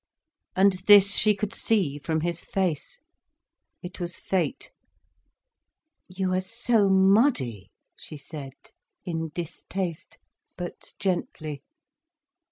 And this she could see from his face. It was fate. "You are so muddy," she said, in distaste, but gently.